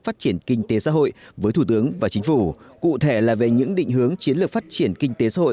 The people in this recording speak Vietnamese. phát triển kinh tế xã hội với thủ tướng và chính phủ cụ thể là về những định hướng chiến lược phát triển kinh tế xã hội